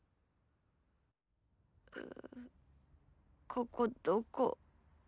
ここどこ？